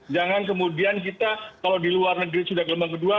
jangan kemudian kita kalau di luar negeri sudah gelombang kedua